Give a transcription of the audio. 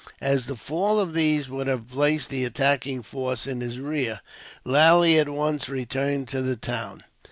As the fall of these would have placed the attacking force in his rear, Lally at once returned to the town.